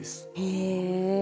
へえ。